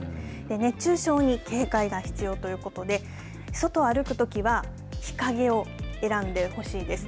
熱中症に警戒が必要ということで外を歩くときは日陰を選んでほしいです。